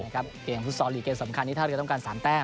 เกมฟุตซอลลีกเกมสำคัญที่ท่าเรือต้องการ๓แต้ม